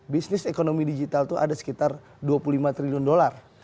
bisnis ekonomi digital itu ada sekitar dua puluh lima triliun dolar